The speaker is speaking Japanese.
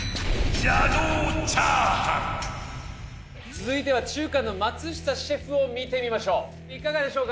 続いては中華の松下シェフを見てみましょういかがでしょうか？